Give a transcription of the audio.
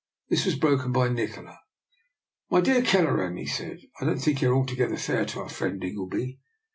This was broken by Nikola. " My dear Kelleran/' he said, " I don't think you are altogether fair to our friend Ingleby.